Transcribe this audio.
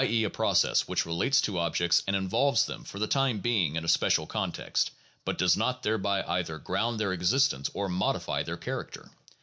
e., a process which relates to objects and involves them for the time being in a special context, but does not thereby either ground their existence or modify their character.